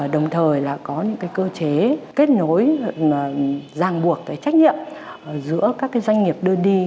đồng thời là có những cơ chế kết nối ràng buộc trách nhiệm giữa các doanh nghiệp đưa đi